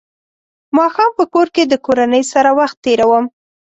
ماښام په کور کې د کورنۍ سره وخت تېروم.